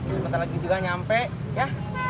sebentar lagi juga nyampe ya